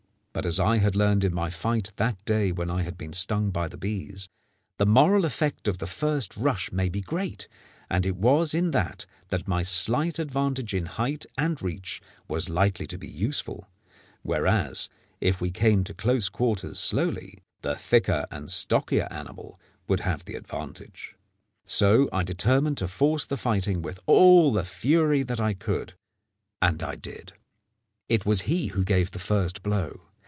But, as I had learned in my fight that day when I had been stung by the bees, the moral effect of the first rush may be great, and it was in that that my slight advantage in height and reach was likely to be useful, whereas if we came to close quarters slowly the thicker and stockier animal would have the advantage. So I determined to force the fighting with all the fury that I could; and I did. It was he who gave the first blow.